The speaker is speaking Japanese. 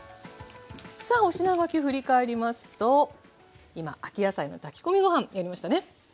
さあお品書き振り返りますと今秋野菜の炊き込みご飯やりましたね。